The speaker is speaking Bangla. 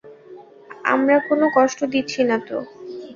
আমরা কোনো কষ্ট দিচ্ছি না তো?